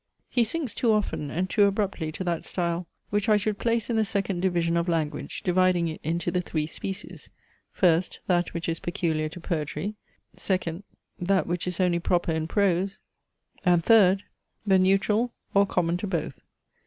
He sinks too often and too abruptly to that style, which I should place in the second division of language, dividing it into the three species; first, that which is peculiar to poetry; second, that which is only proper in prose; and third, the neutral or common to both.